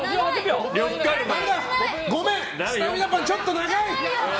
ごめん、スタミナパンちょっと長い！